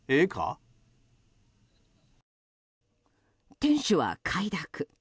店主は快諾。